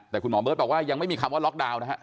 แต่คุณหมอเบิร์ตบอกว่ายังไม่มีคำว่าล็อกดาวน์นะฮะ